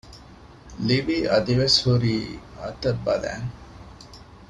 ލިވީ އަދިވެސް ހުރީ އަތަށް ބަލައިން